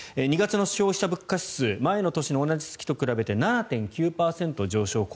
２月の消費者物価指数前の年の同じ月と比べて７．９％上昇。